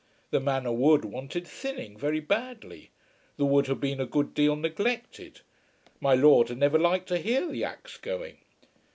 The Manor wood wanted thinning very badly. The wood had been a good deal neglected. "My Lord" had never liked to hear the axe going.